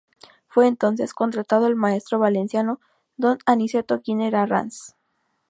Fue entonces contratado el maestro valenciano Don Aniceto Giner Arranz.